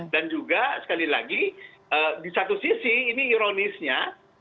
dan juga sekali lagi di satu sisi ini ironisnya